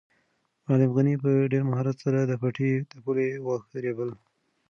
معلم غني په ډېر مهارت سره د پټي د پولې واښه رېبل.